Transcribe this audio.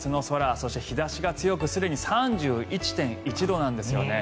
そして、日差しが強くすでに３１．１度なんですよね。